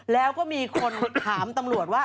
แล้วก็มีคนถามตำรวจว่า